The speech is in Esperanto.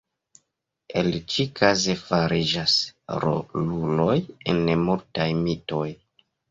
El ĉi-kaze fariĝas roluloj en multaj mitoj.